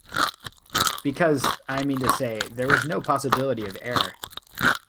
Because, I mean to say, there was no possibility of error.